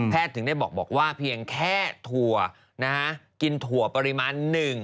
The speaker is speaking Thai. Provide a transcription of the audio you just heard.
แพทย์ถึงได้บอกว่าเพียงแค่ถั่วกินถั่วปริมาณ๑